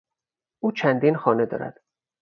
او چندین خانه دارد.